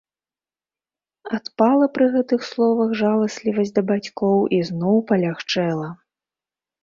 Адпала пры гэтых словах жаласлівасць да бацькоў і зноў палягчэла.